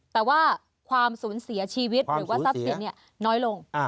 แต่ว่าความสูญเสียชีวิตหรือว่าทรัพย์สินน้อยลง